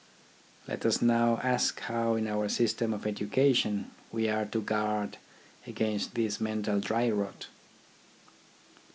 Let us now ask how in our system of education we are to guard against this mental dry rot.